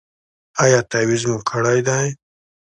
ایا تعویذ مو کړی دی؟